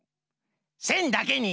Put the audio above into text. せんだけに。